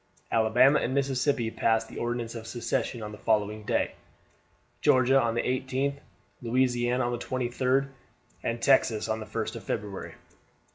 Alabama and Mississippi passed the Ordinance of Secession on the following day; Georgia on the 18th, Louisiana on the 23d, and Texas on the 1st of February.